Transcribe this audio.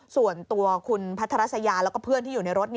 ส่วนตัวคุณพัทรัสยาแล้วก็เพื่อนที่อยู่ในรถ